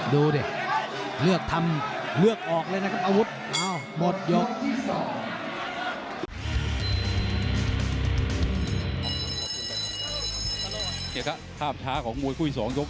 ดูดิเลือกทำเลือกออกเลยนะครับอาวุธ